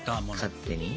勝手に。